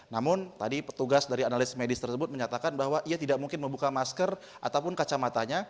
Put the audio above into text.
namun tadi petugas dari analis medis tersebut menyatakan bahwa ia tidak mungkin membuka masker ataupun kacamatanya